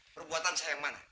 perbuatan saya yang mana